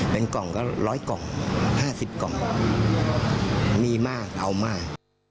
เป็นกล่องก็ร้อยกล่องห้าสิบกล่องมีมากเอามาก